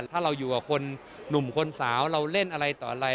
ถ้าเราอยู่กับคนหนุ่มคนสาวเราเล่นอะไรต่ออะไร